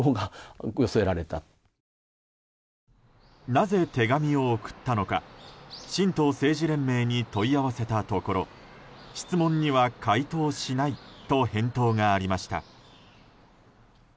なぜ手紙を送ったのか神道政治連盟に問い合わせたところ質問には回答しないと返答がありました。